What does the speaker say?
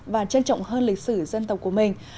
và trân trọng hơn lịch sử dân tộc của mình